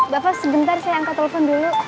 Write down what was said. bapak sebentar saya angkat telepon dulu